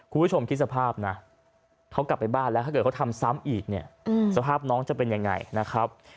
คุณผู้ชมคิดสภาพนะเขากลับไปบ้านแล้วถ้าเกิดเขาทำซ้ำอีกเนี่ยสภาพน้องจะเป็นยังไงนะครับ